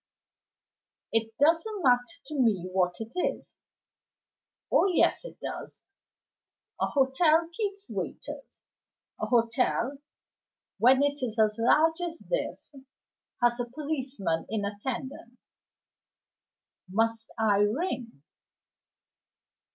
"It doesn't matter to me what it is." "Oh yes, it does. A hotel keeps waiters. A hotel, when it is as large as this, has a policeman in attendance. Must I ring?"